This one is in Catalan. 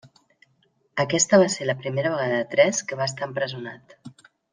Aquesta va ser la primera vegada de tres que va estar empresonat.